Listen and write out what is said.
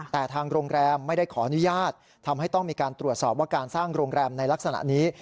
แต่ทางโรงแรมไม่ได้ขออนุญาตทำให้ต้องมีการตรวจสอบว่าการสร้างโรงแรมในลักษณะนี้